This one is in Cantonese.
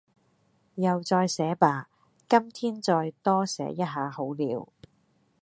又再寫吧...今天再多寫一下好了